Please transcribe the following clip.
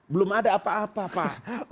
belum ada apa apa pak